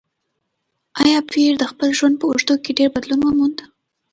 ایا پییر د خپل ژوند په اوږدو کې ډېر بدلون وموند؟